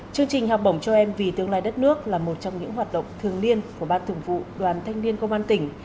chương trình học bổng cho em vì tương lai đất nước là một trong những hoạt động thường niên của ban thường vụ đoàn thanh niên công an tỉnh